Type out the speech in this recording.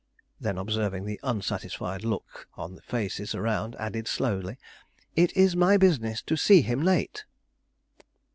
Then, observing the unsatisfied look on the faces around, added slowly, "It is my business to see him late."